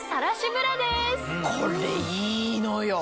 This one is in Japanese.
これいいのよ！